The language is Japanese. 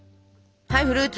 はいフルーツ